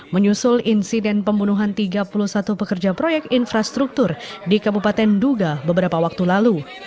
menyusul insiden pembunuhan tiga puluh satu pekerja proyek infrastruktur di kabupaten duga beberapa waktu lalu